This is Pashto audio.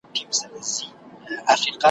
او حتی د استقلال د ګټونکي `